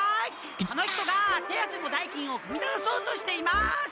この人が手当ての代金をふみたおそうとしています！